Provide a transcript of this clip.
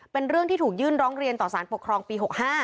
เป็นเรื่องที่ถูกยื่นร้องเรียนต่อสารปกครองปี๖๕